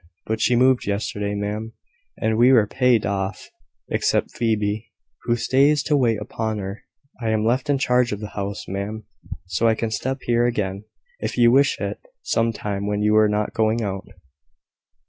But she moved yesterday, ma'am, and we were paid off except Phoebe, who stays to wait upon her. I am left in charge of the house, ma'am: so I can step here again, if you wish it, some time when you are not going out."